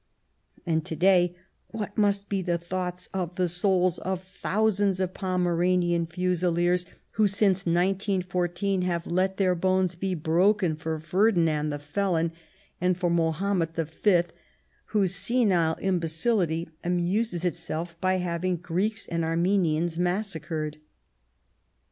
And to day, what must be the thoughts of the souls of thousands of Pomeranian Fusiliers, who, since 1914, have let their bones be broken for Ferdinand the Felon and for Mahomet V, whose senile imbecility amuses itself by having Greeks and Armenians massacred